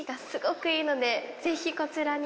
ぜひこちらに。